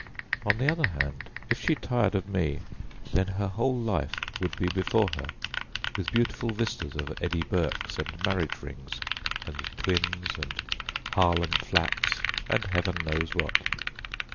On the other hand, if she tired of me, then her whole life would be before her with beautiful vistas of Eddie Burkes and marriage rings and twins and Harlem flats and Heaven knows what.